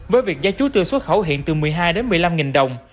với việc giá chuối tư xuất khẩu hiện từ một mươi hai một mươi năm nghìn đồng